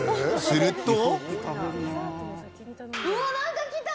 すると。